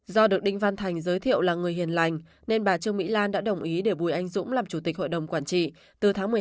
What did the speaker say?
do được đinh văn thành giới thiệu là người hiền lành nên bà trương mỹ lan đã đồng ý để bùi anh dũng làm chủ tịch hội đồng quản trị từ tháng một mươi hai năm hai nghìn hai mươi